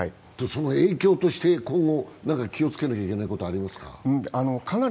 その影響として今後何か気をつけなきゃいけないことありますか？